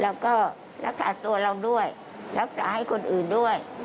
แล้วก็รักษาตัวเราด้วยรักษาให้คนอื่นด้วย